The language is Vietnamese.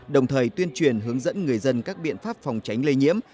đồng thời tuyên truyền hướng dẫn người dân các biện pháp phòng tránh lây nhiễm